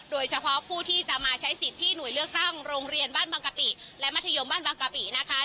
โดยเฉพาะผู้ที่จะมาใช้สิทธิ์ที่หน่วยเลือกตั้งโรงเรียนบ้านบางกะปิและมัธยมบ้านบางกะปินะคะ